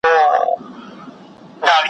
دوه او درې ځله یې دا خبره کړله `